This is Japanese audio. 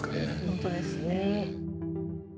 本当ですね。